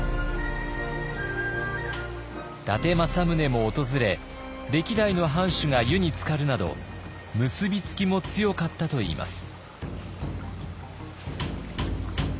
伊達政宗も訪れ歴代の藩主が湯につかるなど結び付きも強かったといいます。